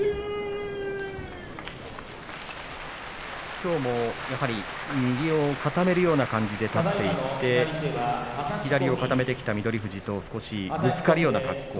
きょうも右を固めるような感じで立っていって左を固めていた翠富士とちょっとぶつかり合うような格好。